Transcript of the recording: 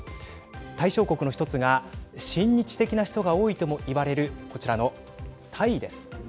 対象国の１つが親日的な人が多いともいわれるこちらのタイです。